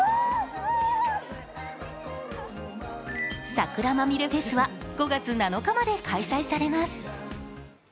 桜まみれフェスは５月７日まで開催されます。